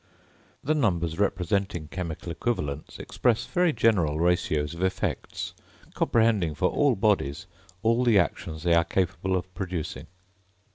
The numbers representing chemical equivalents express very general ratios of effects, comprehending for all bodies all the actions they are capable of producing.